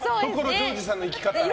ジョージさんの生き方には。